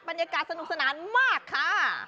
บรรยากาศสนุกสนานมากค่ะ